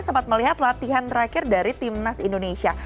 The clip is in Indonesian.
sampai melihat latihan terakhir dari timnas indonesia